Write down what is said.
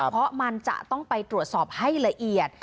เพราะมันจะต้องไปตรวจสอบให้ละเอียด